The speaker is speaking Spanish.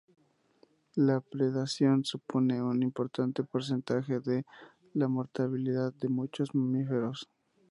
La predación supone un importante porcentaje de la mortalidad de muchos mamíferos.